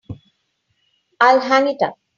I'll hang it up.